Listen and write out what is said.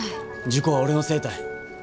事故は俺のせいたい。